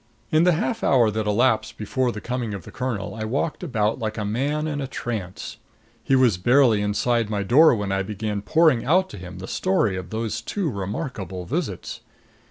In the half hour that elapsed before the coming of the colonel I walked about like a man in a trance. He was barely inside my door when I began pouring out to him the story of those two remarkable visits.